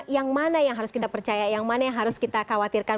yang mana yang harus kita percaya yang mana yang harus kita khawatirkan